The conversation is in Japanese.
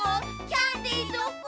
キャンデーどこ？